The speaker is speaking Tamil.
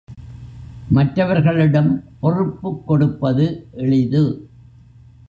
மற்றவர்களிடம் பொறுப்புக் கொடுப்பது எளிது.